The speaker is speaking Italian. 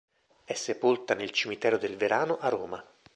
È sepolta nel Cimitero del Verano a Roma.